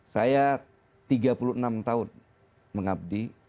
saya tiga puluh enam tahun mengabdi